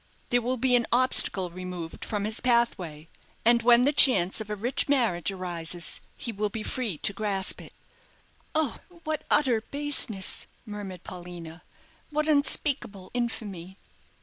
"There will be an obstacle removed from his pathway; and when the chance of a rich marriage arises, he will be free to grasp it." "Oh, what utter baseness!" murmured Paulina; "what unspeakable infamy!"